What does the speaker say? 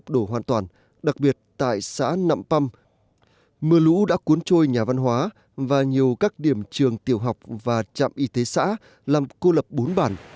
đổ hoàn toàn đặc biệt tại xã nậm păm mưa lũ đã cuốn trôi nhà văn hóa và nhiều các điểm trường tiểu học và trạm y tế xã làm cô lập bốn bản